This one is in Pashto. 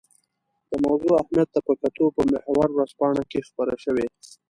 د موضوع اهمیت ته په کتو په محور ورځپاڼه کې خپره شوې.